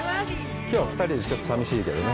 きょうは２人でちょっと寂しいけどね。